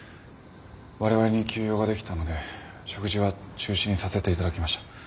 われわれに急用ができたので食事は中止にさせていただきました。